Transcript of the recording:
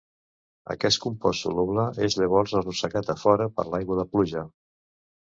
Aquest compost soluble és llavors arrossegat a fora per l'aigua de pluja.